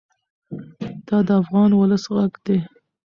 دا د افغان ولس غږ دی.